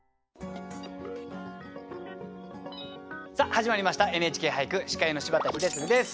始まりました「ＮＨＫ俳句」司会の柴田英嗣です。